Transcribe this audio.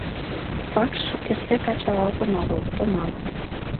Вакш шукертсек ачалалтын огыл, томамын.